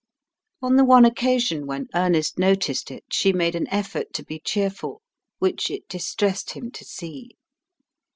On the one occasion when Ernest noticed it she made an effort to be cheerful, which it distressed him to see.